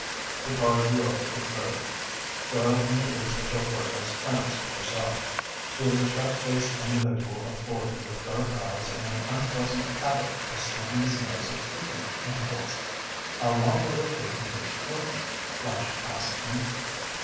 The car drew up at the curb. Doyle introduced the chauffeur as Clarence Purcell. He was a sharp faced individual of forty with dark eyes and an unpleasant habit of sniffing his nose at frequent intervals. "How long will it take to reach Clinton?" Flash asked him.